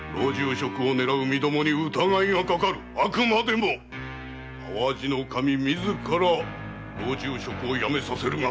あくまでも淡路守自ら老中職を辞めさせるが肝要。